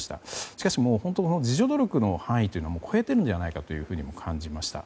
しかし、自助努力の範囲は超えているのではと感じました。